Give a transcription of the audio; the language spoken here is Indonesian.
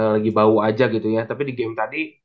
lagi bau aja gitu ya tapi di game tadi